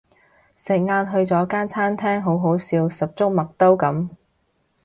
食晏去咗間餐廳好好笑十足麥兜噉